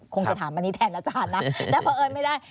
คงจะถามอันนี้แทนอาจารย์นะแต่เพราะเอิญไม่ได้